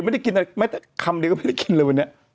ไม่ได้กินอะไรแม้แต่คำเดียวก็ไม่ได้กินเลยวันนี้